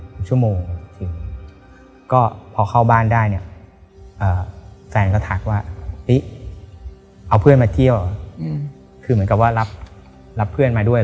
พอถึงบ้านเฟ็นก็ถามว่าเอาเพื่อนมาเที่ยวเหมือนกับว่ารับเพื่อนมาด้วยหรอ